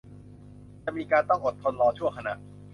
จะมีการต้องอดทนรอชั่วขณะ